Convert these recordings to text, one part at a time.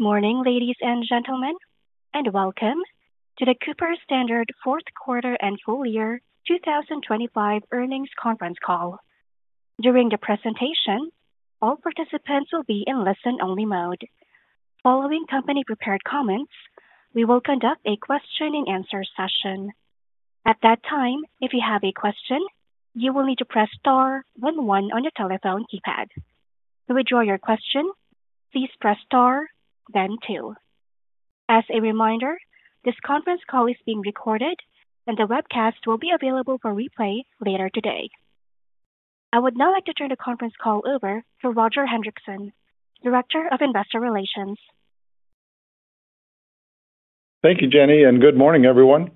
Morning, ladies and gentlemen, and welcome to the Cooper-Standard fourth quarter and full year 2025 earnings conference call. During the presentation, all participants will be in listen-only mode. Following company-prepared comments, we will conduct a question-and-answer session. At that time, if you have a question, you will need to press star one one on your telephone keypad. To withdraw your question, please press star, then two. As a reminder, this conference call is being recorded, and the webcast will be available for replay later today. I would now like to turn the conference call over to Roger Hendriksen, Director of Investor Relations. Thank you, Jenny, and good morning, everyone.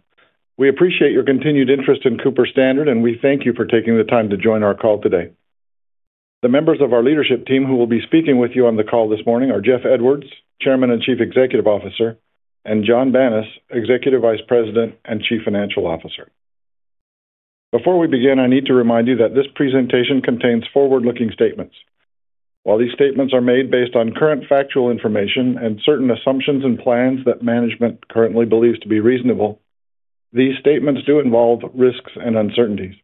We appreciate your continued interest in Cooper Standard, and we thank you for taking the time to join our call today. The members of our leadership team who will be speaking with you on the call this morning are Jeff Edwards, Chairman and Chief Executive Officer, and John Banas, Executive Vice President and Chief Financial Officer. Before we begin, I need to remind you that this presentation contains forward-looking statements. While these statements are made based on current factual information and certain assumptions and plans that management currently believes to be reasonable, these statements do involve risks and uncertainties.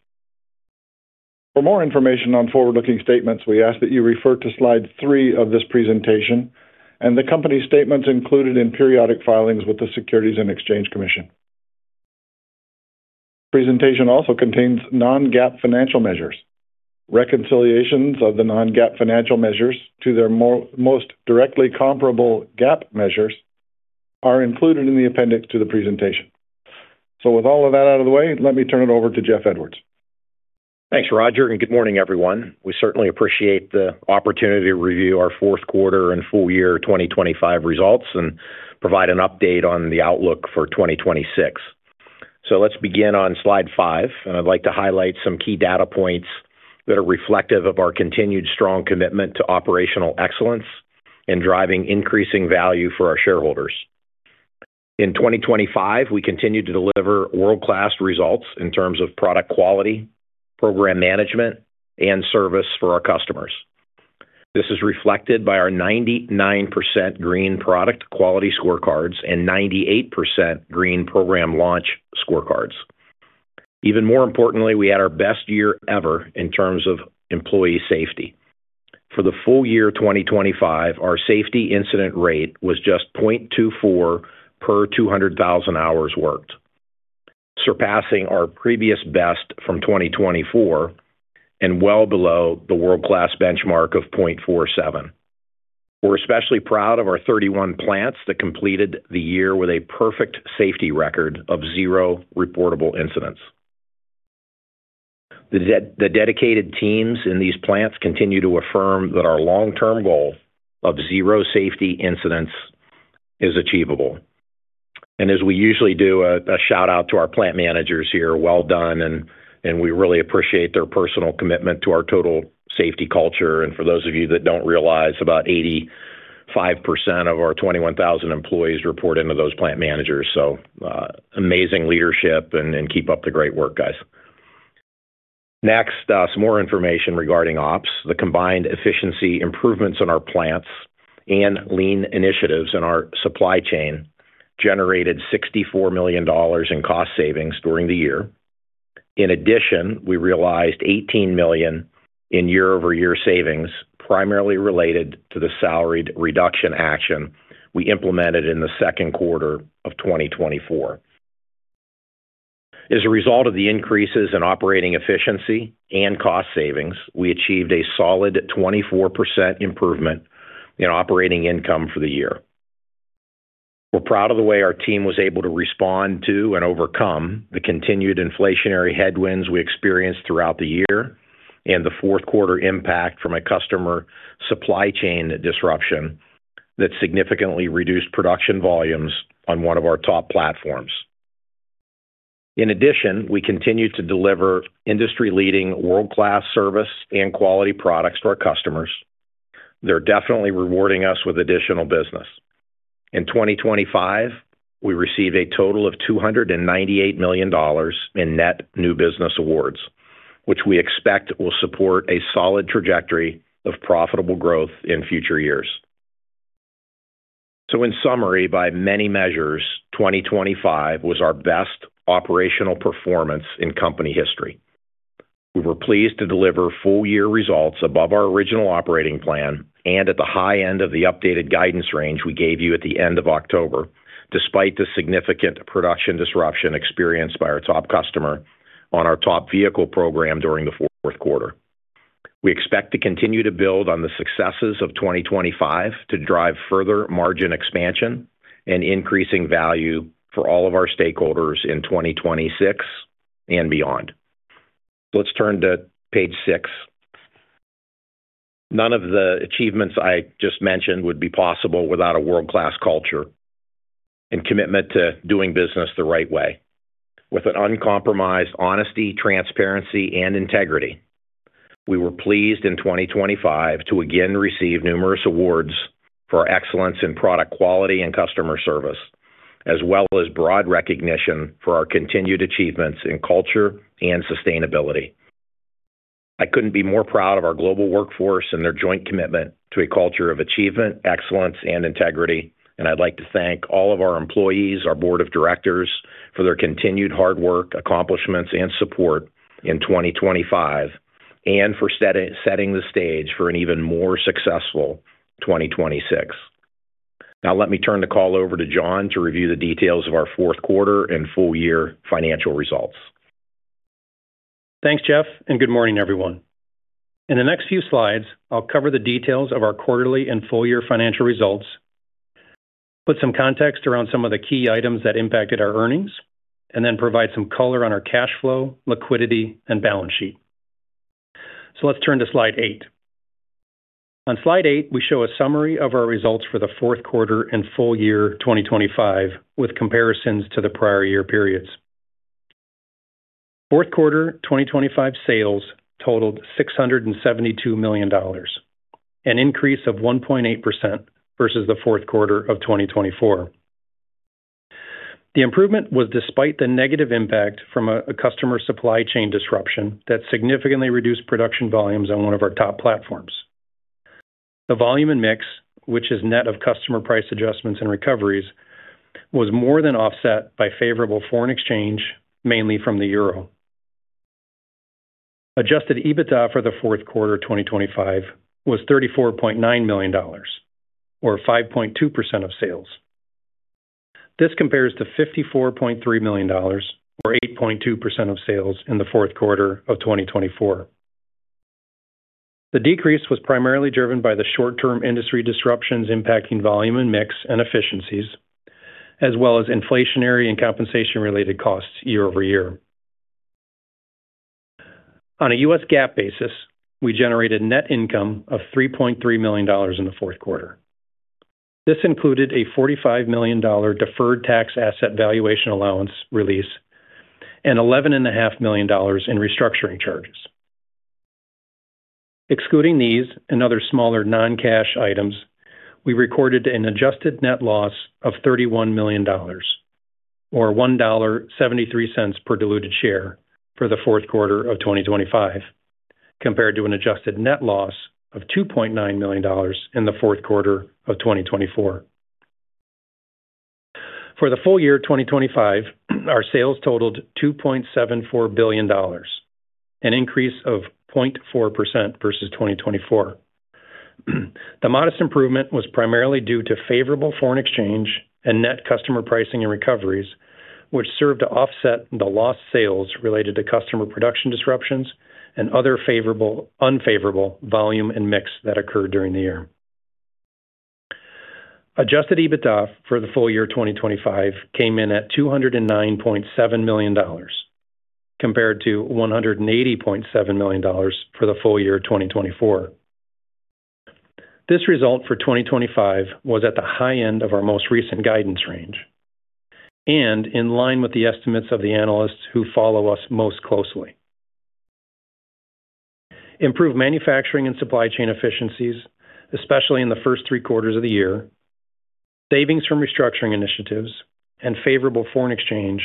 For more information on forward-looking statements, we ask that you refer to slide three of this presentation and the company's statements included in periodic filings with the Securities and Exchange Commission. Presentation also contains non-GAAP financial measures. Reconciliations of the non-GAAP financial measures to their most directly comparable GAAP measures are included in the appendix to the presentation. So with all of that out of the way, let me turn it over to Jeff Edwards. Thanks, Roger, and good morning, everyone. We certainly appreciate the opportunity to review our fourth quarter and full year 2025 results and provide an update on the outlook for 2026. Let's begin on slide 5, and I'd like to highlight some key data points that are reflective of our continued strong commitment to operational excellence and driving increasing value for our shareholders. In 2025, we continued to deliver world-class results in terms of product quality, program management, and service for our customers. This is reflected by our 99% green product quality scorecards and 98% green program launch scorecards. Even more importantly, we had our best year ever in terms of employee safety. For the full year 2025, our safety incident rate was just 0.24 per 200,000 hours worked, surpassing our previous best from 2024 and well below the world-class benchmark of 0.47. We're especially proud of our 31 plants that completed the year with a perfect safety record of zero reportable incidents. The dedicated teams in these plants continue to affirm that our long-term goal of zero safety incidents is achievable. And as we usually do, a shout-out to our plant managers here. Well done, and we really appreciate their personal commitment to our total safety culture. And for those of you that don't realize, about 85% of our 21,000 employees report into those plant managers. So, amazing leadership and keep up the great work, guys. Next, some more information regarding ops. The combined efficiency improvements in our plants and lean initiatives in our supply chain generated $64 million in cost savings during the year. In addition, we realized $18 million in year-over-year savings, primarily related to the salaried reduction action we implemented in the second quarter of 2024. As a result of the increases in operating efficiency and cost savings, we achieved a solid 24% improvement in operating income for the year. We're proud of the way our team was able to respond to and overcome the continued inflationary headwinds we experienced throughout the year and the fourth quarter impact from a customer supply chain disruption that significantly reduced production volumes on one of our top platforms. In addition, we continued to deliver industry-leading, world-class service and quality products to our customers. They're definitely rewarding us with additional business. In 2025, we received a total of $298 million in net new business awards, which we expect will support a solid trajectory of profitable growth in future years. In summary, by many measures, 2025 was our best operational performance in company history. We were pleased to deliver full-year results above our original operating plan and at the high end of the updated guidance range we gave you at the end of October, despite the significant production disruption experienced by our top customer on our top vehicle program during the fourth quarter. We expect to continue to build on the successes of 2025 to drive further margin expansion and increasing value for all of our stakeholders in 2026 and beyond. Let's turn to page six. None of the achievements I just mentioned would be possible without a world-class culture and commitment to doing business the right way. With an uncompromised honesty, transparency, and integrity, we were pleased in 2025 to again receive numerous awards for excellence in product quality and customer service, as well as broad recognition for our continued achievements in culture and sustainability.... I couldn't be more proud of our global workforce and their joint commitment to a culture of achievement, excellence, and integrity. And I'd like to thank all of our employees, our board of directors, for their continued hard work, accomplishments, and support in 2025, and for setting the stage for an even more successful 2026. Now let me turn the call over to John to review the details of our fourth quarter and full year financial results. Thanks, Jeff, and good morning, everyone. In the next few slides, I'll cover the details of our quarterly and full year financial results, put some context around some of the key items that impacted our earnings, and then provide some color on our cash flow, liquidity, and balance sheet. So let's turn to slide eight. On slide eight, we show a summary of our results for the fourth quarter and full year 2025, with comparisons to the prior year periods. Fourth quarter 2025 sales totaled $672 million, an increase of 1.8% versus the fourth quarter of 2024. The improvement was despite the negative impact from a customer supply chain disruption that significantly reduced production volumes on one of our top platforms. The volume and mix, which is net of customer price adjustments and recoveries, was more than offset by favorable foreign exchange, mainly from the euro. Adjusted EBITDA for the fourth quarter of 2025 was $34.9 million, or 5.2% of sales. This compares to $54.3 million, or 8.2% of sales, in the fourth quarter of 2024. The decrease was primarily driven by the short-term industry disruptions impacting volume and mix and efficiencies, as well as inflationary and compensation-related costs year-over-year. On a U.S. GAAP basis, we generated net income of $3.3 million in the fourth quarter. This included a $45 million deferred tax asset valuation allowance release and $11.5 million in restructuring charges. Excluding these and other smaller non-cash items, we recorded an adjusted net loss of $31 million or $1.73 per diluted share for the fourth quarter of 2025, compared to an adjusted net loss of $2.9 million in the fourth quarter of 2024. For the full year 2025, our sales totaled $2.74 billion, an increase of 0.4% versus 2024. The modest improvement was primarily due to favorable foreign exchange and net customer pricing and recoveries, which served to offset the lost sales related to customer production disruptions and other unfavorable volume and mix that occurred during the year. Adjusted EBITDA for the full year 2025 came in at $209.7 million, compared to $180.7 million for the full year 2024. This result for 2025 was at the high end of our most recent guidance range and in line with the estimates of the analysts who follow us most closely. Improved manufacturing and supply chain efficiencies, especially in the first three quarters of the year, savings from restructuring initiatives, and favorable foreign exchange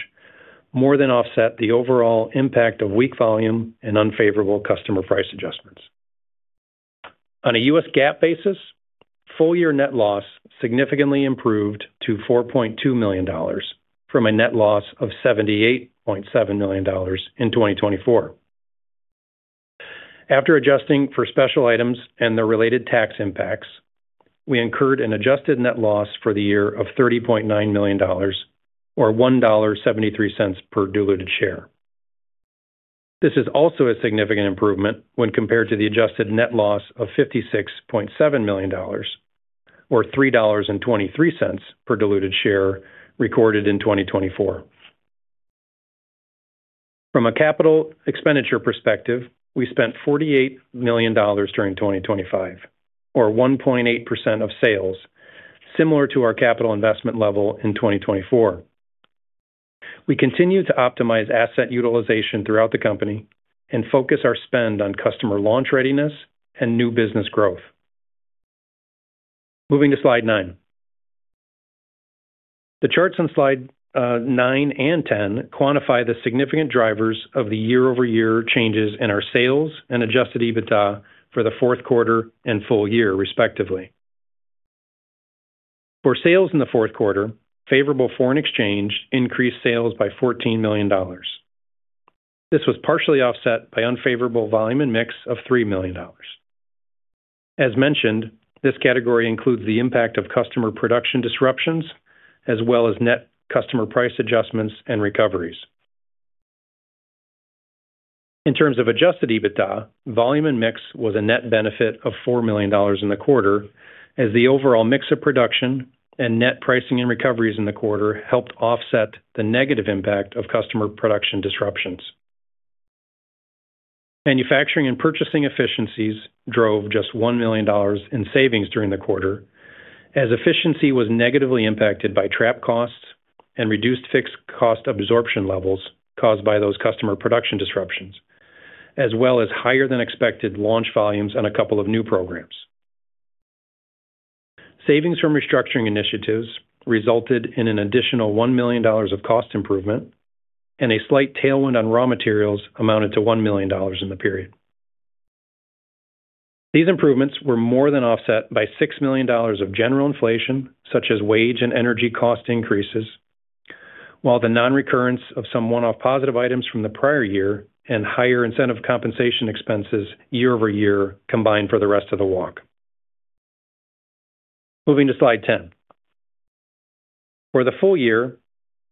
more than offset the overall impact of weak volume and unfavorable customer price adjustments. On a U.S. GAAP basis, full year net loss significantly improved to $4.2 million from a net loss of $78.7 million in 2024. After adjusting for special items and their related tax impacts, we incurred an adjusted net loss for the year of $30.9 million, or $1.73 per diluted share. This is also a significant improvement when compared to the adjusted net loss of $56.7 million, or $3.23 per diluted share, recorded in 2024. From a capital expenditure perspective, we spent $48 million during 2025, or 1.8% of sales, similar to our capital investment level in 2024. We continue to optimize asset utilization throughout the company and focus our spend on customer launch readiness and new business growth. Moving to slide 9. The charts on slide 9 and 10 quantify the significant drivers of the year-over-year changes in our sales and adjusted EBITDA for the fourth quarter and full year, respectively. For sales in the fourth quarter, favorable foreign exchange increased sales by $14 million. This was partially offset by unfavorable volume and mix of $3 million. As mentioned, this category includes the impact of customer production disruptions, as well as net customer price adjustments and recoveries. In terms of Adjusted EBITDA, volume and mix was a net benefit of $4 million in the quarter, as the overall mix of production and net pricing and recoveries in the quarter helped offset the negative impact of customer production disruptions. Manufacturing and purchasing efficiencies drove just $1 million in savings during the quarter, as efficiency was negatively impacted by trap costs and reduced fixed cost absorption levels caused by those customer production disruptions, as well as higher than expected launch volumes on a couple of new programs. Savings from restructuring initiatives resulted in an additional $1 million of cost improvement, and a slight tailwind on raw materials amounted to $1 million in the period. These improvements were more than offset by $6 million of general inflation, such as wage and energy cost increases, while the non-recurrence of some one-off positive items from the prior year and higher incentive compensation expenses year-over-year combined for the rest of the walk. Moving to slide 10. For the full year,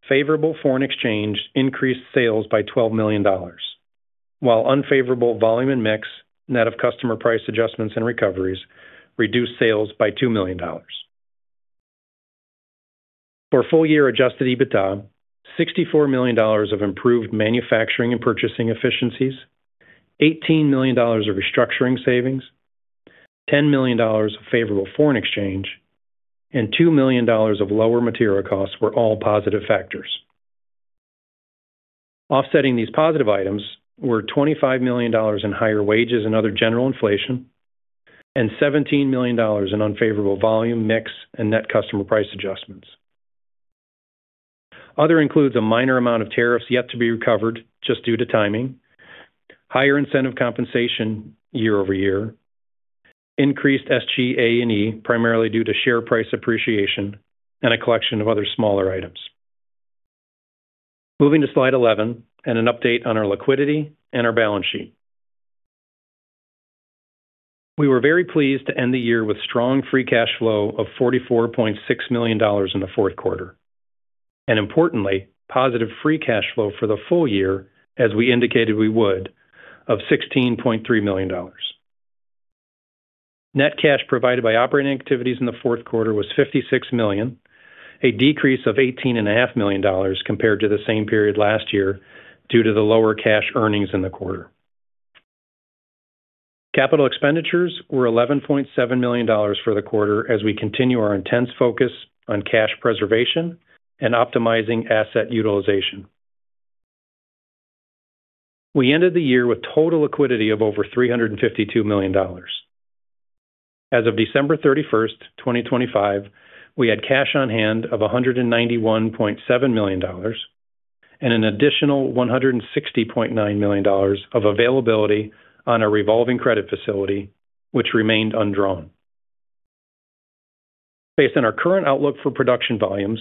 favorable foreign exchange increased sales by $12 million, while unfavorable volume and mix, net of customer price adjustments and recoveries, reduced sales by $2 million. For full-year Adjusted EBITDA, $64 million of improved manufacturing and purchasing efficiencies, $18 million of restructuring savings, $10 million of favorable foreign exchange, and $2 million of lower material costs were all positive factors. Offsetting these positive items were $25 million in higher wages and other general inflation, and $17 million in unfavorable volume, mix, and net customer price adjustments. Other includes a minor amount of tariffs yet to be recovered just due to timing, higher incentive compensation year-over-year, increased SG&A, primarily due to share price appreciation, and a collection of other smaller items. Moving to slide 11, an update on our liquidity and our balance sheet. We were very pleased to end the year with strong free cash flow of $44.6 million in the fourth quarter, and importantly, positive free cash flow for the full year, as we indicated we would, of $16.3 million. Net cash provided by operating activities in the fourth quarter was $56 million, a decrease of $18.5 million compared to the same period last year due to the lower cash earnings in the quarter. Capital expenditures were $11.7 million for the quarter as we continue our intense focus on cash preservation and optimizing asset utilization. We ended the year with total liquidity of over $352 million. As of December 31, 2025, we had cash on hand of $191.7 million and an additional $160.9 million of availability on our revolving credit facility, which remained undrawn. Based on our current outlook for production volumes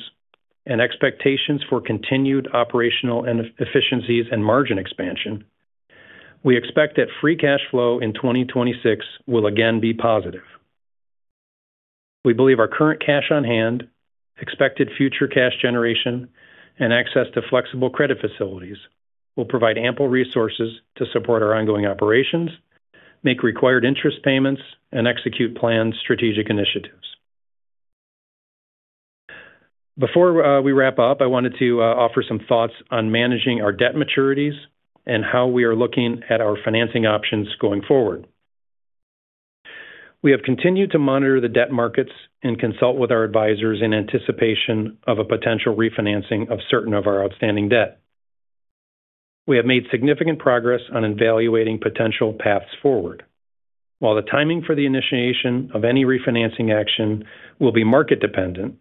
and expectations for continued operational and efficiencies and margin expansion, we expect that Free Cash Flow in 2026 will again be positive. We believe our current cash on hand, expected future cash generation, and access to flexible credit facilities will provide ample resources to support our ongoing operations, make required interest payments, and execute planned strategic initiatives. Before we wrap up, I wanted to offer some thoughts on managing our debt maturities and how we are looking at our financing options going forward. We have continued to monitor the debt markets and consult with our advisors in anticipation of a potential refinancing of certain of our outstanding debt. We have made significant progress on evaluating potential paths forward. While the timing for the initiation of any refinancing action will be market-dependent,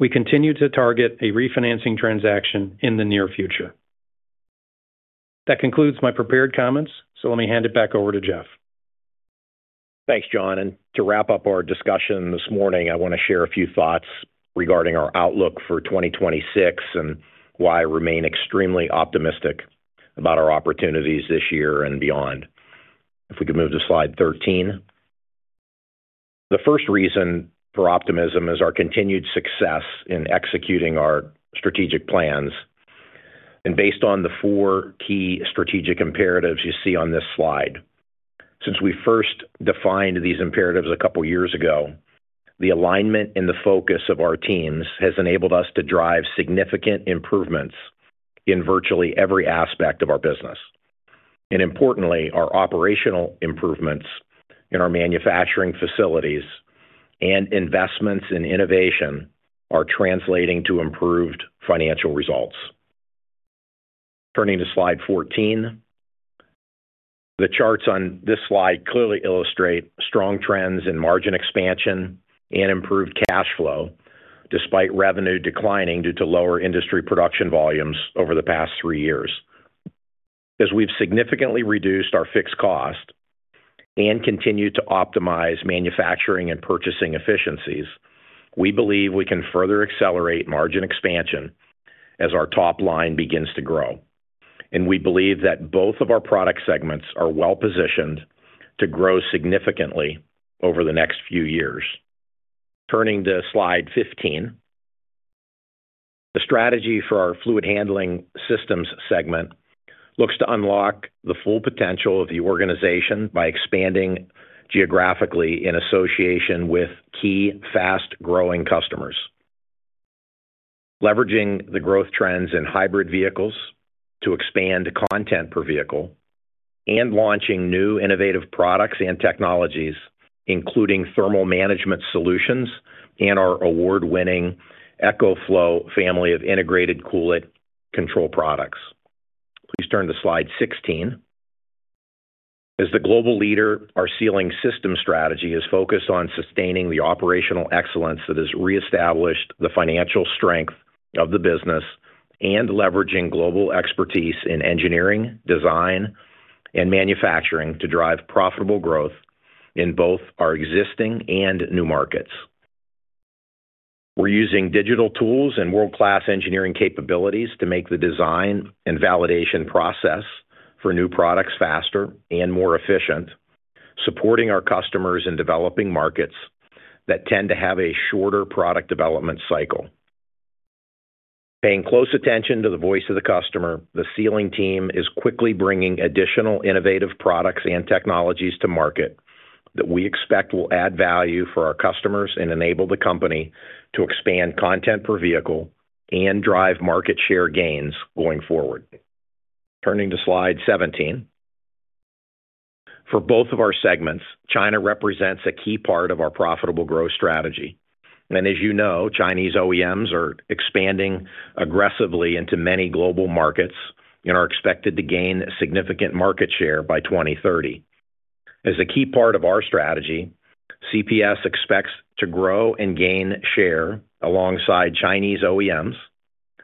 we continue to target a refinancing transaction in the near future. That concludes my prepared comments, so let me hand it back over to Jeff. Thanks, John, and to wrap up our discussion this morning, I want to share a few thoughts regarding our outlook for 2026 and why I remain extremely optimistic about our opportunities this year and beyond. If we could move to slide 13. The first reason for optimism is our continued success in executing our strategic plans, and based on the four key strategic imperatives you see on this slide. Since we first defined these imperatives a couple of years ago, the alignment and the focus of our teams has enabled us to drive significant improvements in virtually every aspect of our business. And importantly, our operational improvements in our manufacturing facilities and investments in innovation are translating to improved financial results. Turning to slide 14, the charts on this slide clearly illustrate strong trends in margin expansion and improved cash flow, despite revenue declining due to lower industry production volumes over the past 3 years. As we've significantly reduced our fixed cost and continued to optimize manufacturing and purchasing efficiencies, we believe we can further accelerate margin expansion as our top line begins to grow, and we believe that both of our product segments are well-positioned to grow significantly over the next few years. Turning to slide 15. The strategy for our fluid handling systems segment looks to unlock the full potential of the organization by expanding geographically in association with key fast-growing customers, leveraging the growth trends in hybrid vehicles to expand content per vehicle, and launching new innovative products and technologies, including thermal management solutions and our award-winning eCoFlow family of integrated coolant control products. Please turn to slide 16. As the global leader, our Sealing Systems strategy is focused on sustaining the operational excellence that has reestablished the financial strength of the business and leveraging global expertise in engineering, design, and manufacturing to drive profitable growth in both our existing and new markets. We're using digital tools and world-class engineering capabilities to make the design and validation process for new products faster and more efficient, supporting our customers in developing markets that tend to have a shorter product development cycle. Paying close attention to the voice of the customer, the Sealing team is quickly bringing additional innovative products and technologies to market that we expect will add value for our customers and enable the company to expand content per vehicle and drive market share gains going forward. Turning to slide 17. For both of our segments, China represents a key part of our profitable growth strategy. As you know, Chinese OEMs are expanding aggressively into many global markets and are expected to gain significant market share by 2030. As a key part of our strategy, CPS expects to grow and gain share alongside Chinese OEMs,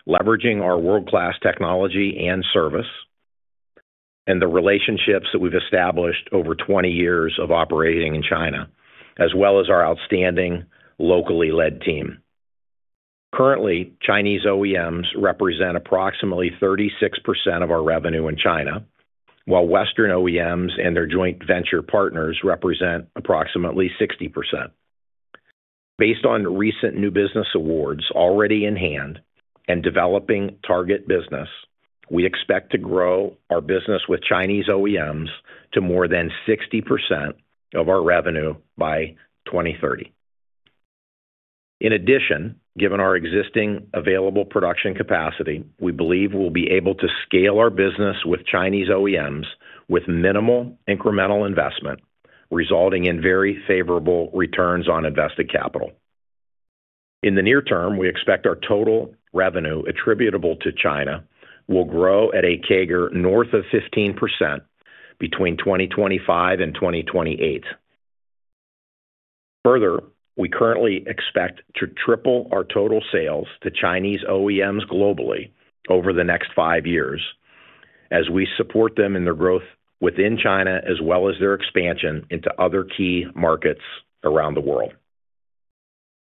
leveraging our world-class technology and service, and the relationships that we've established over 20 years of operating in China, as well as our outstanding locally-led team. Currently, Chinese OEMs represent approximately 36% of our revenue in China, while Western OEMs and their joint venture partners represent approximately 60%. Based on recent new business awards already in hand and developing target business, we expect to grow our business with Chinese OEMs to more than 60% of our revenue by 2030. In addition, given our existing available production capacity, we believe we'll be able to scale our business with Chinese OEMs with minimal incremental investment, resulting in very favorable returns on invested capital. In the near term, we expect our total revenue attributable to China will grow at a CAGR north of 15% between 2025 and 2028. Further, we currently expect to triple our total sales to Chinese OEMs globally over the next five years as we support them in their growth within China, as well as their expansion into other key markets around the world.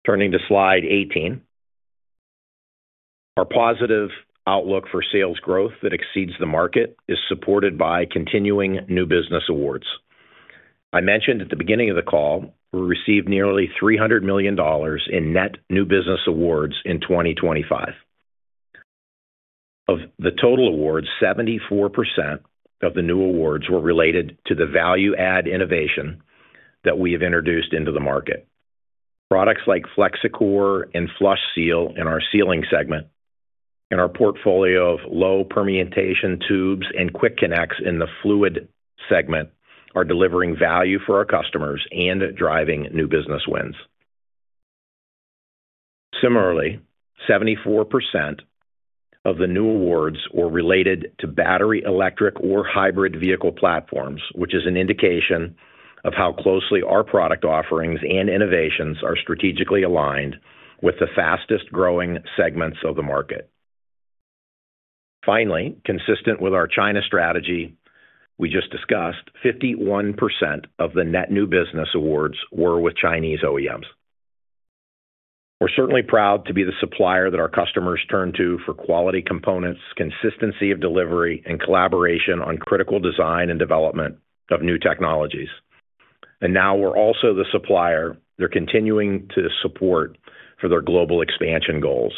Turning to slide 18. Our positive outlook for sales growth that exceeds the market is supported by continuing new business awards. I mentioned at the beginning of the call, we received nearly $300 million in net new business awards in 2025. Of the total awards, 74% of the new awards were related to the value-add innovation that we have introduced into the market. Products like FlexiCore and FlushSeal in our Sealing segment, and our portfolio of low permeation tubes and quick connects in the Fluid segment, are delivering value for our customers and driving new business wins. Similarly, 74% of the new awards were related to battery, electric, or hybrid vehicle platforms, which is an indication of how closely our product offerings and innovations are strategically aligned with the fastest-growing segments of the market. Finally, consistent with our China strategy, we just discussed, 51% of the net new business awards were with Chinese OEMs. We're certainly proud to be the supplier that our customers turn to for quality components, consistency of delivery, and collaboration on critical design and development of new technologies. And now we're also the supplier they're continuing to support for their global expansion goals.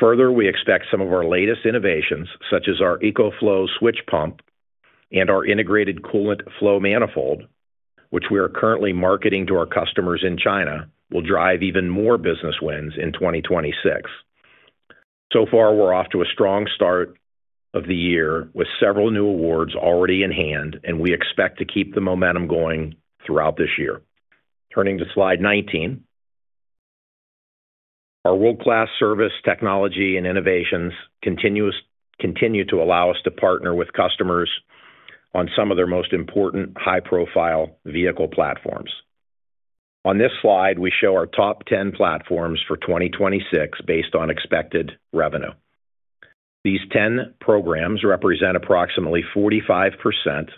Further, we expect some of our latest innovations, such as our eCoFlow Switch Pump and our integrated coolant flow manifold, which we are currently marketing to our customers in China, will drive even more business wins in 2026. So far, we're off to a strong start of the year with several new awards already in hand, and we expect to keep the momentum going throughout this year. Turning to slide 19. Our world-class service, technology, and innovations continue to allow us to partner with customers on some of their most important high-profile vehicle platforms. On this slide, we show our top 10 platforms for 2026 based on expected revenue. These 10 programs represent approximately 45%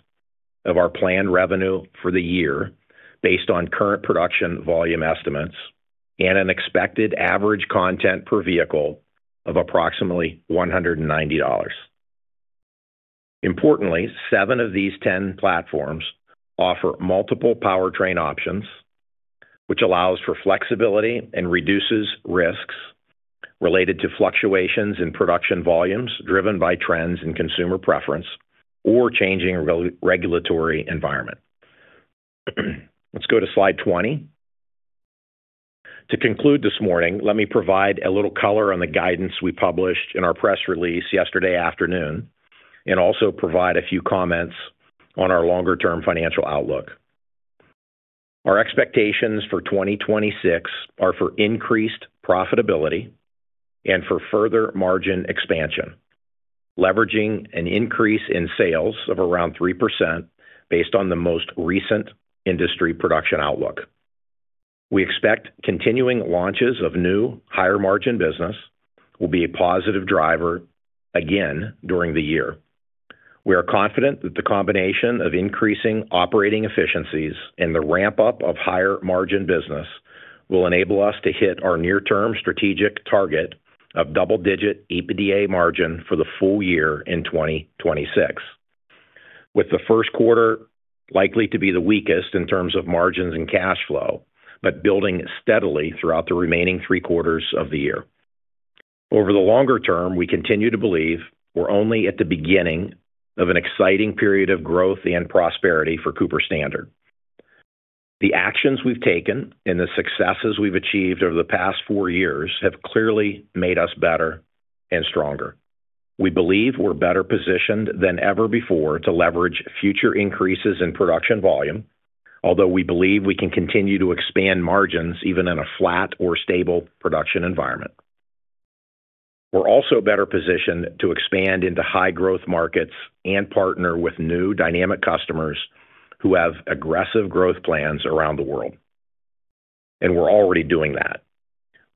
of our planned revenue for the year, based on current production volume estimates and an expected average content per vehicle of approximately $190. Importantly, seven of these 10 platforms offer multiple powertrain options, which allows for flexibility and reduces risks related to fluctuations in production volumes driven by trends in consumer preference or changing regulatory environment. Let's go to slide 20. To conclude this morning, let me provide a little color on the guidance we published in our press release yesterday afternoon, and also provide a few comments on our longer-term financial outlook. Our expectations for 2026 are for increased profitability and for further margin expansion, leveraging an increase in sales of around 3% based on the most recent industry production outlook. We expect continuing launches of new higher-margin business will be a positive driver again during the year. We are confident that the combination of increasing operating efficiencies and the ramp-up of higher-margin business will enable us to hit our near-term strategic target of double-digit EBITDA margin for the full year in 2026, with the first quarter likely to be the weakest in terms of margins and cash flow, but building steadily throughout the remaining three quarters of the year. Over the longer term, we continue to believe we're only at the beginning of an exciting period of growth and prosperity for Cooper Standard. The actions we've taken and the successes we've achieved over the past four years have clearly made us better and stronger. We believe we're better positioned than ever before to leverage future increases in production volume, although we believe we can continue to expand margins even in a flat or stable production environment. We're also better positioned to expand into high-growth markets and partner with new dynamic customers who have aggressive growth plans around the world, and we're already doing that.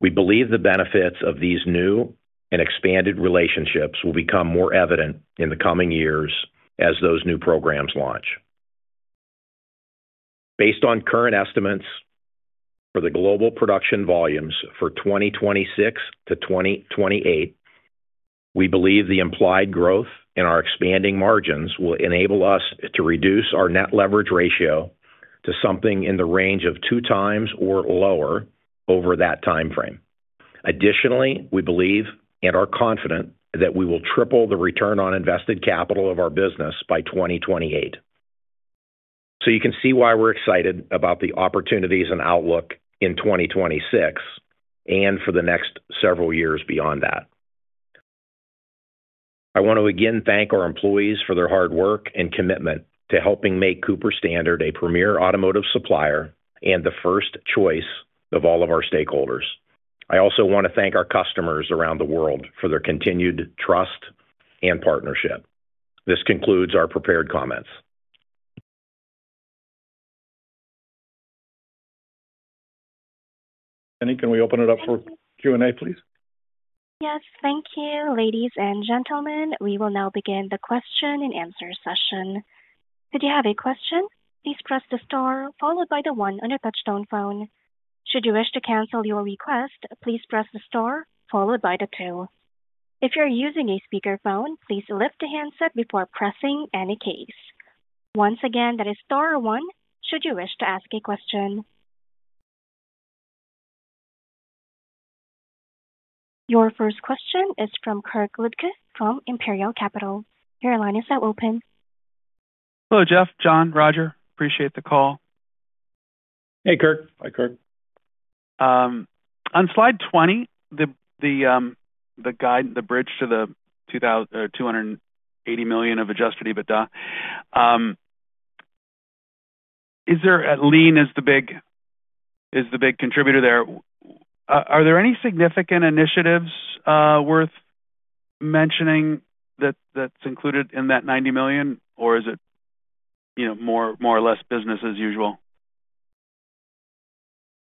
We believe the benefits of these new and expanded relationships will become more evident in the coming years as those new programs launch. Based on current estimates for the global production volumes for 2026 to 2028, we believe the implied growth and our expanding margins will enable us to reduce our Net Leverage Ratio to something in the range of 2x or lower over that timeframe. Additionally, we believe and are confident that we will triple the Return on Invested Capital of our business by 2028. So you can see why we're excited about the opportunities and outlook in 2026 and for the next several years beyond that. I want to again thank our employees for their hard work and commitment to helping make Cooper Standard a premier automotive supplier and the first choice of all of our stakeholders. I also want to thank our customers around the world for their continued trust and partnership. This concludes our prepared comments. Jenny, can we open it up for Q&A, please? Yes, thank you, ladies and gentlemen. We will now begin the question-and-answer session. If you have a question, please press the star followed by the one on your touchtone phone. Should you wish to cancel your request, please press the star followed by the two. If you're using a speakerphone, please lift the handset before pressing any keys. Once again, that is star one should you wish to ask a question. Your first question is from Kirk Ludtke from Imperial Capital. Your line is now open. Hello, Jeff, John, Roger. Appreciate the call. Hey, Kirk. Hi, Kirk. On slide 20, the guide, the bridge to the $2,280 million of Adjusted EBITDA. Is the Lean the big contributor there? Are there any significant initiatives worth mentioning that's included in that $90 million, or is it, you know, more or less business as usual?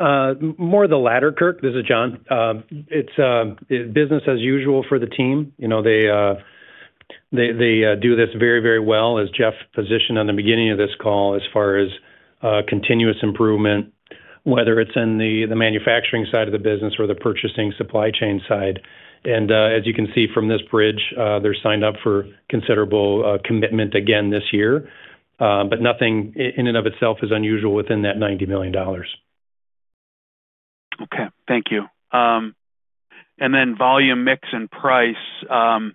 More the latter, Kirk. This is John. It's business as usual for the team. You know, they do this very, very well, as Jeff positioned on the beginning of this call, as far as continuous improvement, whether it's in the manufacturing side of the business or the purchasing supply chain side. As you can see from this bridge, they're signed up for considerable commitment again this year. But nothing in and of itself is unusual within that $90 million. Okay. Thank you. And then volume, mix, and price. Are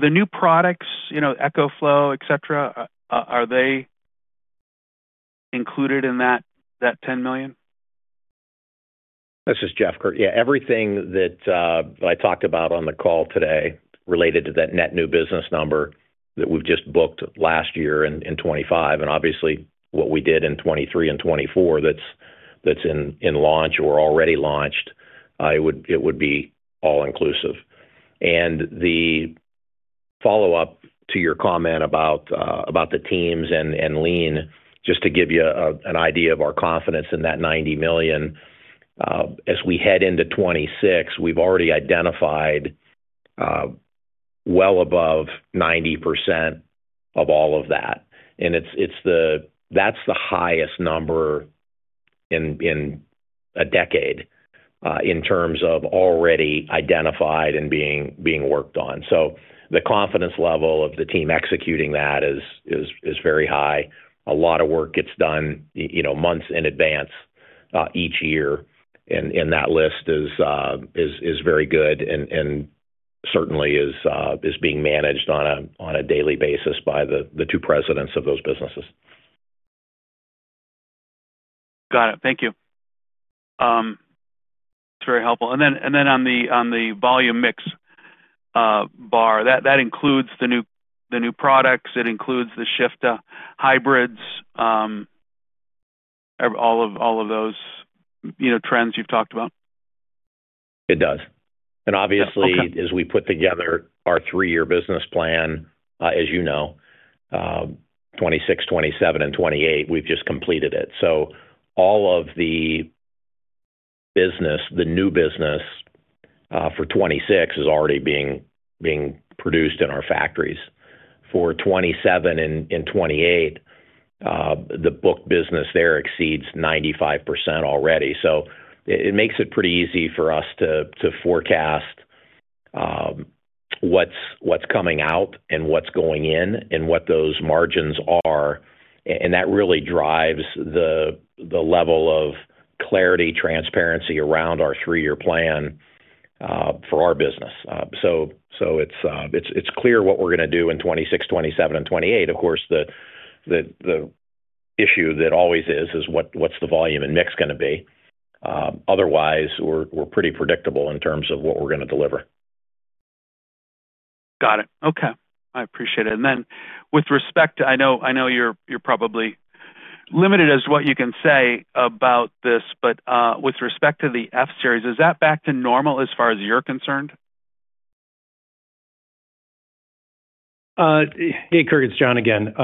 the new products, you know, eCoFlow, et cetera, included in that $10 million? This is Jeff, Kirk. Yeah, everything that I talked about on the call today related to that net new business number that we've just booked last year in 2025, and obviously what we did in 2023 and 2024, that's in launch or already launched. It would be all inclusive. And the follow-up to your comment about the teams and Lean, just to give you an idea of our confidence in that $90 million as we head into 2026, we've already identified well above 90% of all of that. And it's, that's the highest number in a decade in terms of already identified and being worked on. So the confidence level of the team executing that is very high. A lot of work gets done, you know, months in advance each year, and that list is very good and certainly is being managed on a daily basis by the two presidents of those businesses. Got it. Thank you. That's very helpful. And then, and then on the, on the volume mix bar, that, that includes the new, the new products, it includes the shift to hybrids, all of, all of those, you know, trends you've talked about? It does. Okay. Obviously, as we put together our three-year business plan, as you know, 2026, 2027, and 2028, we've just completed it. So all of the business, the new business, for 2026 is already being produced in our factories. For 2027 and 2028, the book business there exceeds 95% already. So it makes it pretty easy for us to forecast what's coming out and what's going in, and what those margins are. And that really drives the level of clarity, transparency around our three-year plan for our business. So it's clear what we're going to do in 2026, 2027, and 2028. Of course, the issue that always is what the volume and mix gonna be? Otherwise, we're pretty predictable in terms of what we're gonna deliver. Got it. Okay, I appreciate it. And then, with respect to... I know, I know you're, you're probably limited as to what you can say about this, but, with respect to the F-Series, is that back to normal as far as you're concerned? Hey, Kirk, it's Jon again.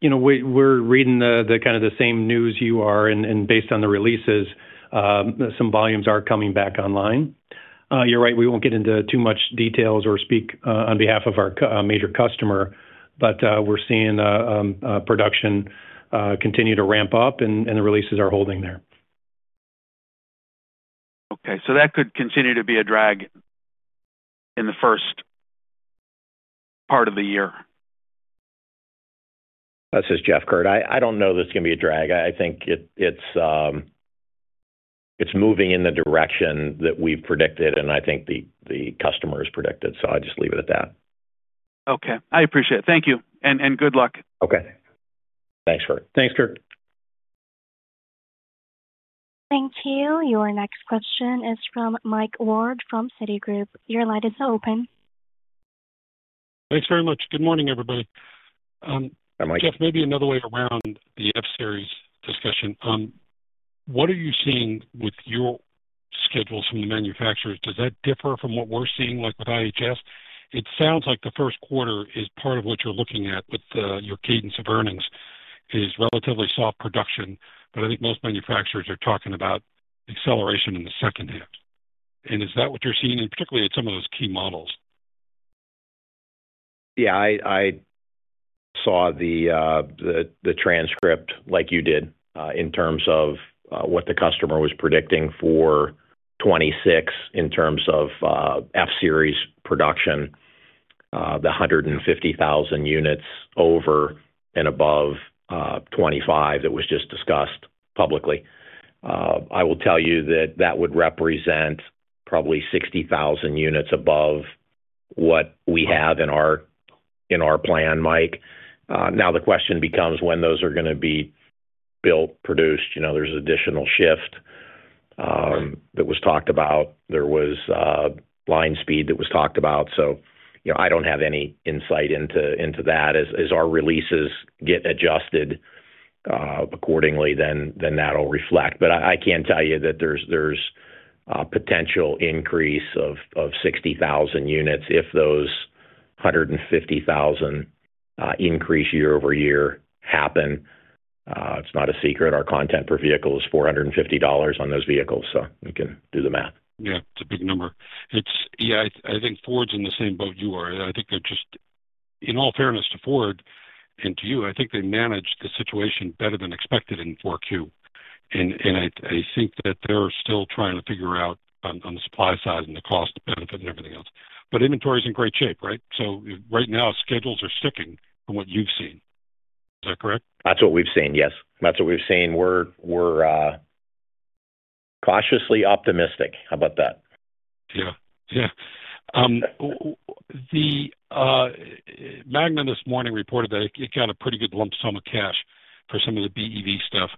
You know, we're reading the kind of the same news you are, and based on the releases, some volumes are coming back online. You're right, we won't get into too much details or speak on behalf of our major customer, but we're seeing production continue to ramp up and the releases are holding there. Okay, so that could continue to be a drag in the first part of the year. This is Jeff, Kurt. I don't know that it's gonna be a drag. I think it's moving in the direction that we've predicted, and I think the customer has predicted, so I'll just leave it at that. Okay. I appreciate it. Thank you, and good luck. Okay. Thanks, Kirk. Thanks, Kurt. Thank you. Your next question is from Mike Ward from Citigroup. Your line is now open. Thanks very much. Good morning, everybody. Hi, Mike. Jeff, maybe another way around the F-Series discussion. What are you seeing with your schedules from the manufacturers? Does that differ from what we're seeing, like with IHS? It sounds like the first quarter is part of what you're looking at with your cadence of earnings is relatively soft production, but I think most manufacturers are talking about acceleration in the second half. Is that what you're seeing, and particularly at some of those key models? Yeah, I saw the transcript like you did, in terms of what the customer was predicting for 2026 in terms of F-Series production, the 150,000 units over and above 2025. That was just discussed publicly. I will tell you that that would represent probably 60,000 units above what we have in our plan, Mike. Now the question becomes when those are gonna be built, produced. You know, there's additional shift that was talked about. There was line speed that was talked about. So, you know, I don't have any insight into that. As our releases get adjusted accordingly, then that'll reflect. But I can tell you that there's a potential increase of 60,000 units if those 150,000 increase year-over-year happen. It's not a secret, our content per vehicle is $450 on those vehicles, so you can do the math. Yeah, it's a big number. Yeah, I think Ford's in the same boat you are. I think they're just... In all fairness to Ford and to you, I think they managed the situation better than expected in 4Q. And I think that they're still trying to figure out on the supply side and the cost benefit and everything else. But inventory is in great shape, right? So right now, schedules are sticking from what you've seen. Is that correct? That's what we've seen, yes. That's what we've seen. We're cautiously optimistic. How about that? Yeah. Yeah. Magna this morning reported that it got a pretty good lump sum of cash for some of the BEV stuff.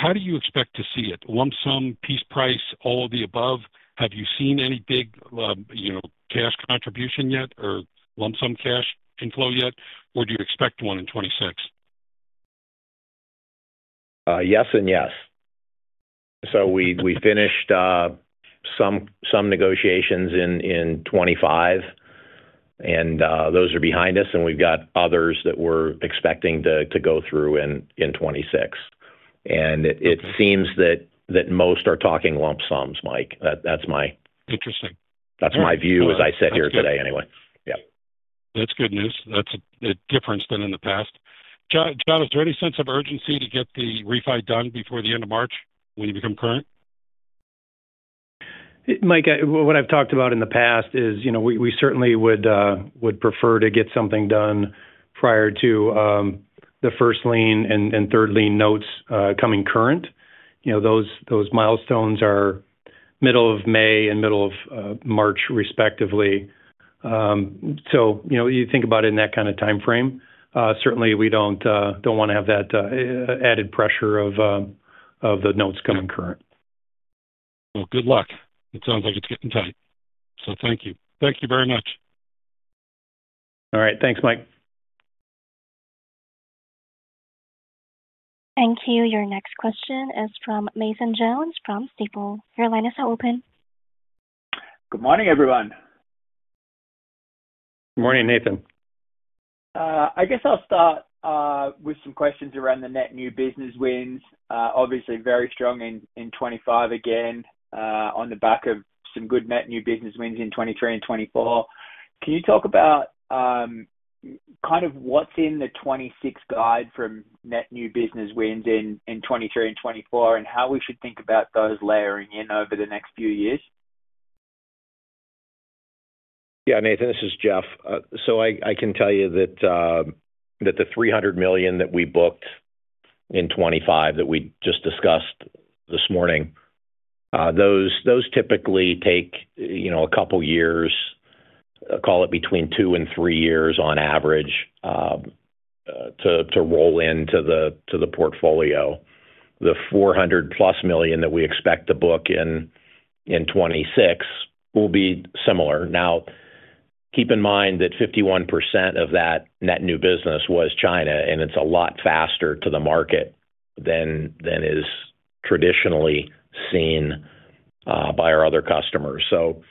How do you expect to see it? Lump sum, piece price, all of the above? Have you seen any big, you know, cash contribution yet, or lump sum cash inflow yet, or do you expect one in 2026? Yes and yes. So we finished some negotiations in 2025, and those are behind us, and we've got others that we're expecting to go through in 2026. Okay. It seems that most are talking lump sums, Mike. That's my- Interesting. That's my view, as I said here today anyway. Yeah. That's good news. That's a difference than in the past. John, John, is there any sense of urgency to get the refi done before the end of March, when you become current? Mike, what I've talked about in the past is, you know, we, we certainly would prefer to get something done prior to the first lien and third lien notes coming current. You know, those, those milestones are middle of May and middle of March, respectively.... So, you know, you think about it in that kind of time frame. Certainly we don't want to have that added pressure of the notes coming current. Well, good luck. It sounds like it's getting tight. So thank you. Thank you very much. All right. Thanks, Mike. Thank you. Your next question is from Nathan Jones, from Stephens. Your line is now open. Good morning, everyone. Morning, Nathan. I guess I'll start with some questions around the net new business wins. Obviously, very strong in 2025 again, on the back of some good net new business wins in 2023 and 2024. Can you talk about kind of what's in the 2026 guide from net new business wins in 2023 and 2024, and how we should think about those layering in over the next few years? Yeah, Nathan, this is Jeff. So I can tell you that the $300 million that we booked in 2025, that we just discussed this morning, those typically take, you know, a couple of years, call it between 2 and 3 years on average, to roll into the portfolio. The $400+ million that we expect to book in 2026 will be similar. Now, keep in mind that 51% of that net new business was China, and it's a lot faster to the market than is traditionally seen by our other customers. So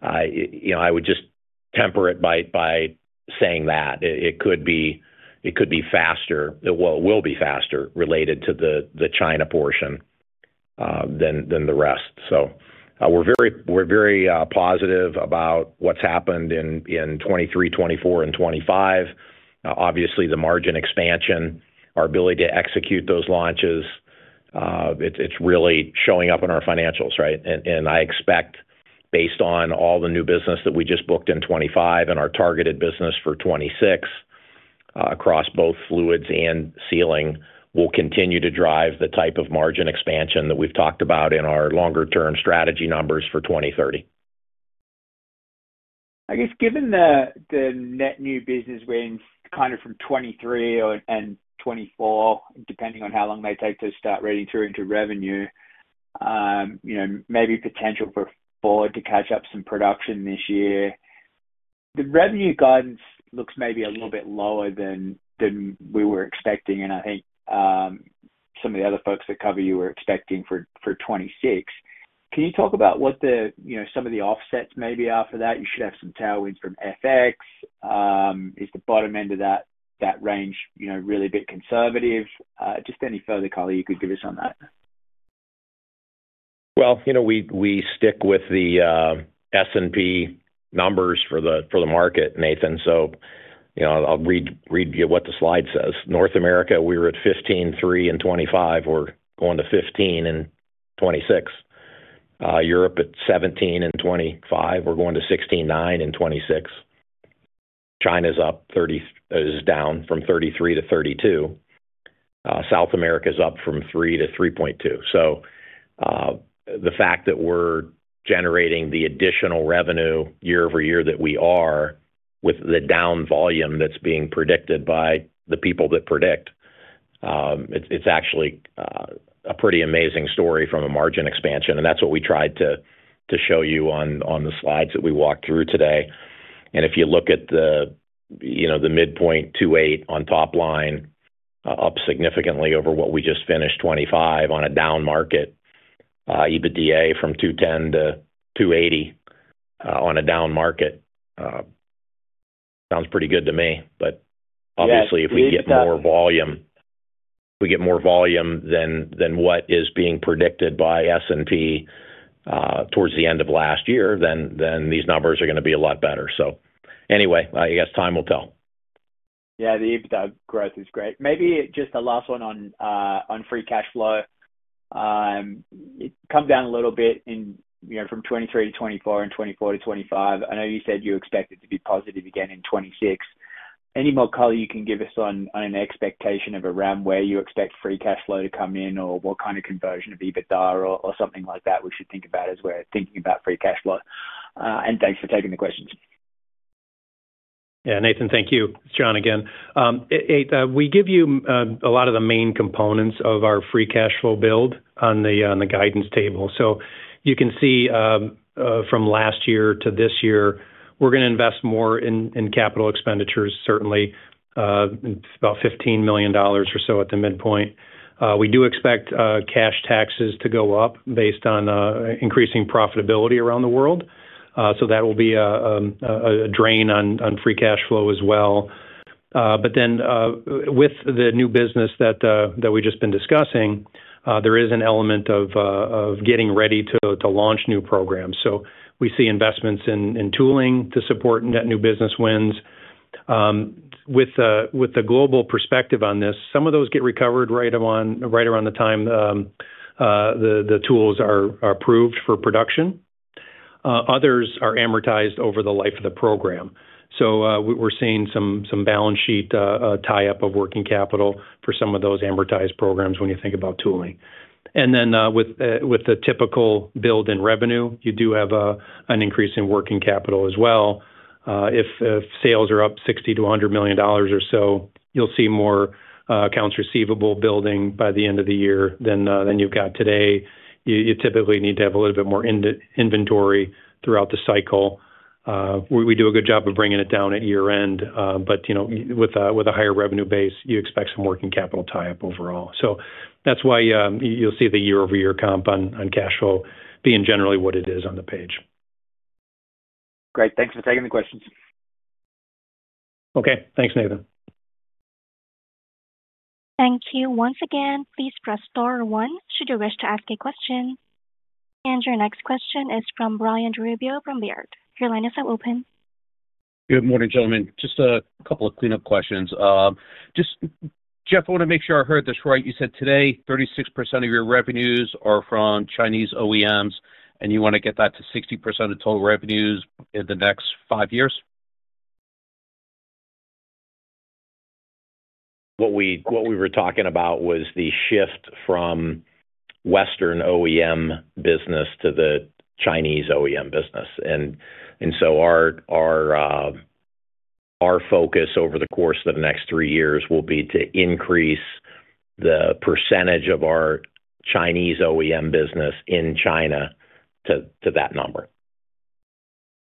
I, you know, I would just temper it by saying that it could be faster. Well, it will be faster related to the China portion than the rest. So we're very positive about what's happened in 2023, 2024 and 2025. Obviously, the margin expansion, our ability to execute those launches, it's really showing up in our financials, right? And I expect, based on all the new business that we just booked in 2025 and our targeted business for 2026, across both fluids and sealing, will continue to drive the type of margin expansion that we've talked about in our longer-term strategy numbers for 2030. I guess, given the net new business wins, kind of from 2023 or and 2024, depending on how long they take to start reading through into revenue, you know, maybe potential for Ford to catch up some production this year. The revenue guidance looks maybe a little bit lower than we were expecting, and I think some of the other folks that cover you were expecting for 2026. Can you talk about what, you know, some of the offsets maybe are for that? You should have some tailwinds from FX. Is the bottom end of that range, you know, really a bit conservative? Just any further color you could give us on that. Well, you know, we stick with the S&P numbers for the market, Nathan. So, you know, I'll read you what the slide says. North America, we were at 15.3 in 2025. We're going to 15 in 2026. Europe at 17 in 2025, we're going to 16.9 in 2026. China is down from 33 to 32. South America is up from 3 to 3.2. So, the fact that we're generating the additional revenue year-over-year that we are, with the down volume that's being predicted by the people that predict, it's actually a pretty amazing story from a margin expansion, and that's what we tried to show you on the slides that we walked through today. If you look at the, you know, the midpoint 2.8 on top line, up significantly over what we just finished, 25 on a down market, EBITDA from 210 to 280, on a down market, sounds pretty good to me. Obviously, if we get more volume, we get more volume than what is being predicted by S&P towards the end of last year, then these numbers are going to be a lot better. I guess time will tell. Yeah, the EBITDA growth is great. Maybe just a last one on, on free cash flow. It come down a little bit in, you know, from 2023 to 2024 and 2024 to 2025. I know you said you expect it to be positive again in 2026. Any more color you can give us on, on an expectation of around where you expect free cash flow to come in, or what kind of conversion of EBITDA or, or something like that we should think about as we're thinking about free cash flow? And thanks for taking the questions. Yeah, Nathan, thank you. John again. We give you a lot of the main components of our free cash flow build on the guidance table. So you can see from last year to this year, we're going to invest more in capital expenditures. Certainly, it's about $15 million or so at the midpoint. We do expect cash taxes to go up based on increasing profitability around the world. So that will be a drain on free cash flow as well. But then, with the new business that we've just been discussing, there is an element of getting ready to launch new programs. So we see investments in tooling to support net new business wins. With the global perspective on this, some of those get recovered right on, right around the time, the tools are approved for production. Others are amortized over the life of the program. So, we're seeing some balance sheet tie up of working capital for some of those amortized programs when you think about tooling. And then, with the typical build in revenue, you do have an increase in working capital as well. If sales are up $60 million-$100 million or so, you'll see more accounts receivable building by the end of the year than you've got today. You typically need to have a little bit more inventory throughout the cycle. We do a good job of bringing it down at year-end, but you know, with a higher revenue base, you expect some working capital tie-up overall. So that's why you'll see the year-over-year comp on cash flow being generally what it is on the page. Great. Thanks for taking the questions. Okay. Thanks, Nathan. Thank you. Once again, please press star one, should you wish to ask a question. Your next question is from Brian Rubio from Baird. Your line is now open. Good morning, gentlemen. Just a couple of cleanup questions. Just, Jeff, I wanna make sure I heard this right. You said today 36% of your revenues are from Chinese OEMs, and you wanna get that to 60% of total revenues in the next five years? What we were talking about was the shift from Western OEM business to the Chinese OEM business. And so our focus over the course of the next three years will be to increase the percentage of our Chinese OEM business in China to that number.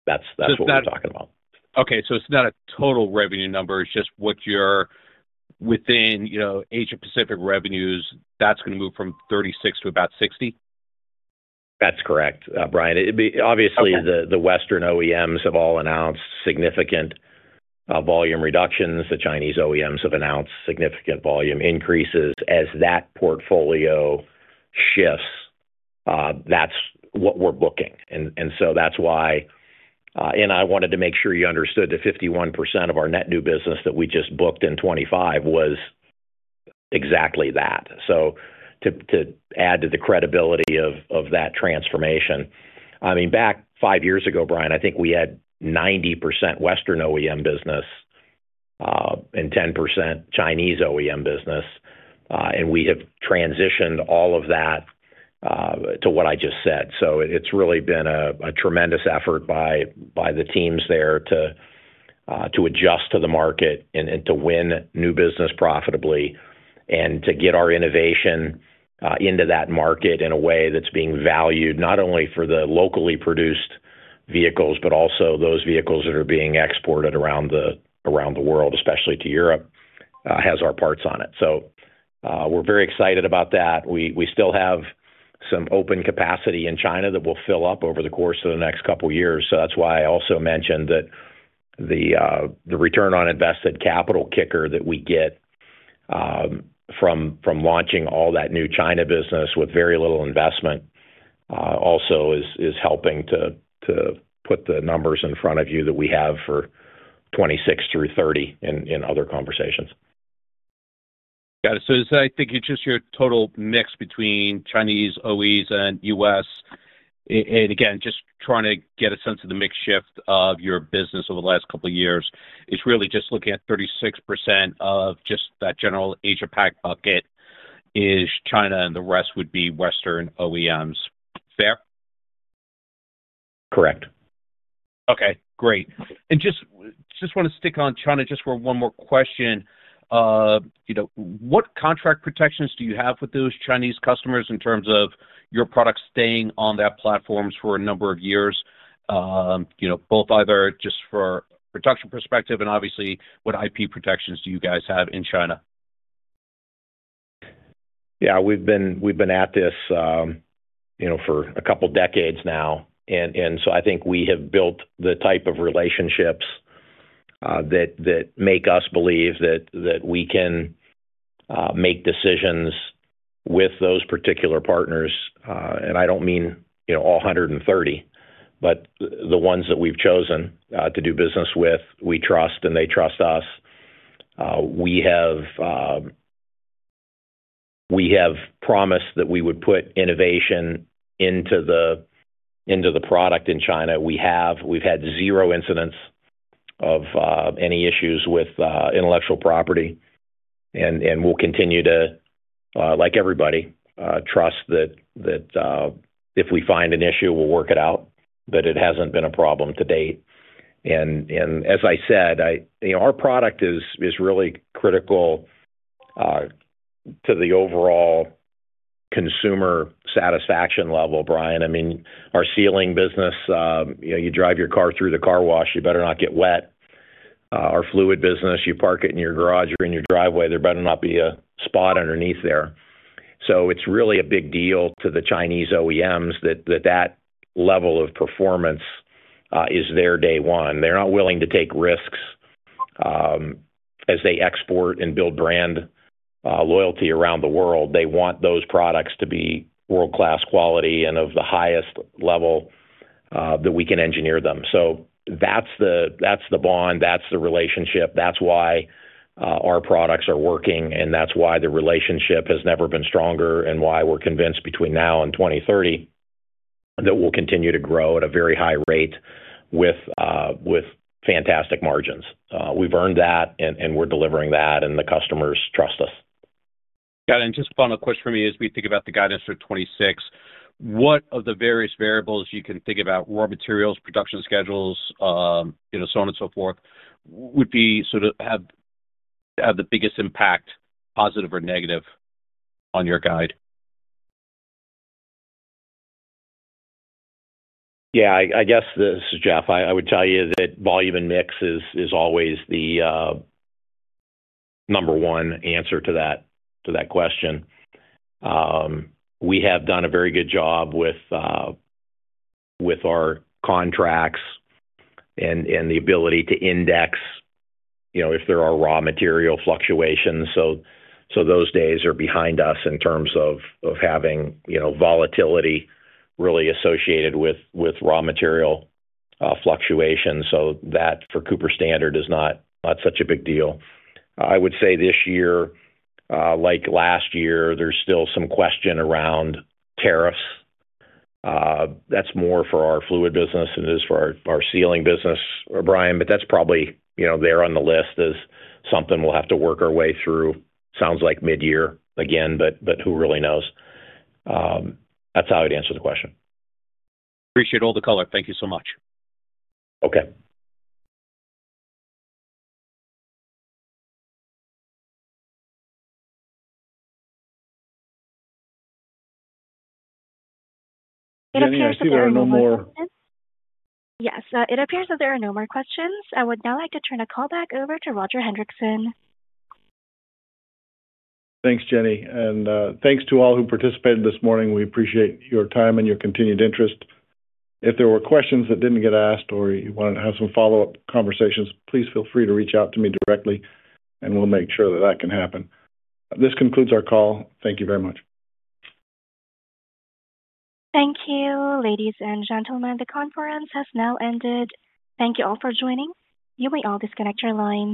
That's what we're talking about. Okay, so it's not a total revenue number, it's just what you're within, you know, Asia Pacific revenues, that's gonna move from 36 to about 60? That's correct, Brian. It'd be- Okay. Obviously, the Western OEMs have all announced significant volume reductions. The Chinese OEMs have announced significant volume increases. As that portfolio shifts, that's what we're booking. And so that's why. And I wanted to make sure you understood the 51% of our net new business that we just booked in 2025 was exactly that. So to add to the credibility of that transformation. I mean, back five years ago, Brian, I think we had 90% Western OEM business, and 10% Chinese OEM business, and we have transitioned all of that to what I just said. So it's really been a tremendous effort by the teams there to adjust to the market and to win new business profitably, and to get our innovation into that market in a way that's being valued, not only for the locally produced vehicles, but also those vehicles that are being exported around the world, especially to Europe, has our parts on it. So, we're very excited about that. We still have some open capacity in China that will fill up over the course of the next couple of years. So that's why I also mentioned that the return on invested capital kicker that we get from launching all that new China business with very little investment also is helping to put the numbers in front of you that we have for 2026-2030 in other conversations. Got it. So I think it's just your total mix between Chinese OEs and U.S. And again, just trying to get a sense of the mix shift of your business over the last couple of years, is really just looking at 36% of just that general Asia Pac bucket is China, and the rest would be Western OEMs. Fair? Correct. Okay, great. And just, just wanna stick on China, just for one more question. You know, what contract protections do you have with those Chinese customers in terms of your products staying on that platforms for a number of years, you know, both either just for protection perspective and obviously, what IP protections do you guys have in China? Yeah, we've been at this, you know, for a couple of decades now, and so I think we have built the type of relationships that make us believe that we can make decisions with those particular partners. And I don't mean, you know, all 130, but the ones that we've chosen to do business with, we trust and they trust us. We have promised that we would put innovation into the product in China. We've had zero incidents of any issues with intellectual property, and we'll continue to, like everybody, trust that if we find an issue, we'll work it out, but it hasn't been a problem to date. As I said, you know, our product is really critical to the overall consumer satisfaction level, Brian. I mean, our sealing business, you know, you drive your car through the car wash, you better not get wet. Our fluid business, you park it in your garage or in your driveway, there better not be a spot underneath there. So it's really a big deal to the Chinese OEMs that that level of performance is there day one. They're not willing to take risks as they export and build brand loyalty around the world. They want those products to be world-class quality and of the highest level that we can engineer them. So that's the bond, that's the relationship, that's why our products are working, and that's why the relationship has never been stronger, and why we're convinced between now and 2030 that will continue to grow at a very high rate with fantastic margins. We've earned that, and we're delivering that, and the customers trust us. Got it. And just one final question for me. As we think about the guidance for 2026, what of the various variables you can think about, raw materials, production schedules, you know, so on and so forth, would sort of have the biggest impact, positive or negative, on your guide? Yeah, I guess this is Jeff. I would tell you that volume and mix is always the number one answer to that question. We have done a very good job with our contracts and the ability to index, you know, if there are raw material fluctuations. So those days are behind us in terms of having, you know, volatility really associated with raw material fluctuations. So that, for Cooper Standard, is not such a big deal. I would say this year, like last year, there's still some question around tariffs. That's more for our fluid business than it is for our sealing business, Brian, but that's probably, you know, there on the list as something we'll have to work our way through. Sounds like mid-year again, but who really knows? That's how I'd answer the question. Appreciate all the color. Thank you so much. Okay. It appears there are no more questions. Yes, it appears that there are no more questions. I would now like to turn the call back over to Roger Hendriksen. Thanks, Jenny, and thanks to all who participated this morning. We appreciate your time and your continued interest. If there were questions that didn't get asked or you wanted to have some follow-up conversations, please feel free to reach out to me directly, and we'll make sure that that can happen. This concludes our call. Thank you very much. Thank you, ladies and gentlemen, the conference has now ended. Thank you all for joining. You may all disconnect your lines.